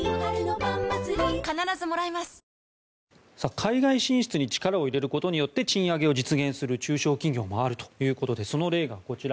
海外進出に力を入れることによって賃上げを実現する中小企業もあるということでその例がこちら